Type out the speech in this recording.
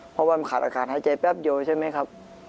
เพราะว่ามันขาดอากาศหายใจแป๊บเดียวใช่ไหมครับ